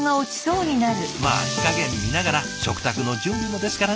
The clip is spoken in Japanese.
まあ火加減見ながら食卓の準備もですからね。